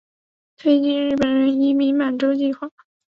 推进日本人移民满洲计划。